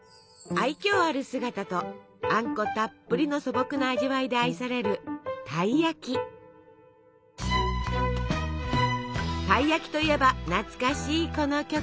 愛きょうある姿とあんこたっぷりの素朴な味わいで愛されるたい焼きといえば懐かしいこの曲。